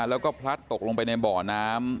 แล้วก็พลัดตกลงไปในบ่อน้ำ